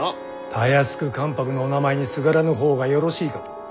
たやすく関白のお名前にすがらぬ方がよろしいかと。